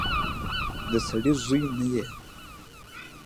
د سړي زوی نه يې.